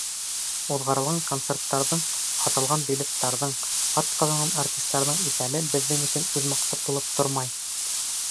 Уҙғарылған концерттарҙың, һатылған билеттарҙың, атҡаҙанған артистарҙың иҫәбе беҙҙең өсөн үҙмаҡсат булып тормай.